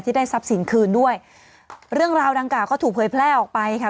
ได้ทรัพย์สินคืนด้วยเรื่องราวดังกล่าก็ถูกเผยแพร่ออกไปค่ะ